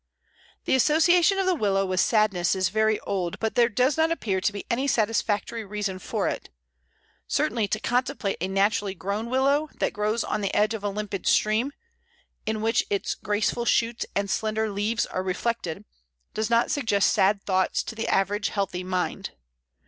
The association of the Willow with sadness is very old, but there does not appear to be any satisfactory reason for it certainly to contemplate a naturally grown Willow that grows on the edge of a limpid stream, in which its graceful shoots and slender leaves are reflected, does not suggest sad thoughts to the average healthy mind.